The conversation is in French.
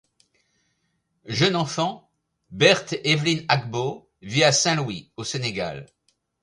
Jeune enfant, Berthe-Evelyne Agbo vit à Saint-Louis au Sénégal.